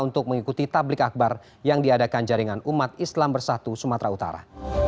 untuk mengikuti tablik akbar yang diadakan jaringan umat islam bersatu sumatera utara